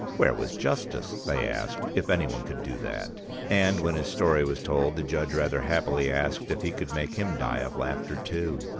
Where was Justice, they asked, if anyone could do that? And when his story was told the judge rather happily asked if he could make him die of laughter too.